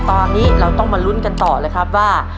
ตอนนี้เราต้องมารุ่นกันต่อว่า